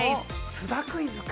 津田クイズか。